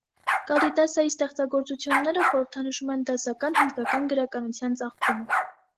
Կալիդասայի ստեղծագործությունները խորհրդանշում են դասական հնդկական գրականության ծաղկումը։